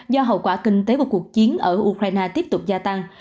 do hậu quả kinh tế và cuộc chiến ở ukraine tiếp tục gia tăng